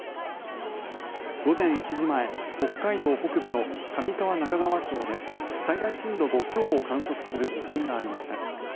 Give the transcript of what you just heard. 午前１時前北海道北部の上川中川町で最大震度５強を観測する地震がありました。